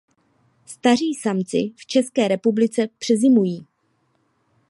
Staří samci v České republice přezimují.